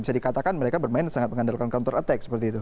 bisa dikatakan mereka bermain sangat mengandalkan counter attack seperti itu